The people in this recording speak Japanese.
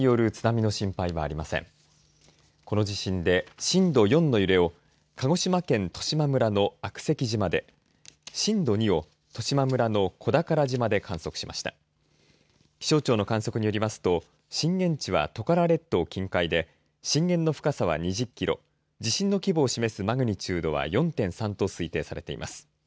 気象庁の観測によりますと震源地はトカラ列島近海で震源の深さは２０キロ地震の規模を示すマグニチュードは４．３と推定されています。